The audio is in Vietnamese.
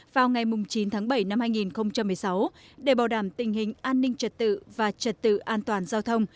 vào ngày chín tháng bảy năm hai nghìn một mươi sáu để bảo đảm tình hình an ninh trật tự và trật tự an toàn giao thông